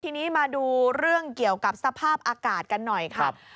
ทีนี้มาดูเรื่องเกี่ยวกับสภาพอากาศกันหน่อยครับ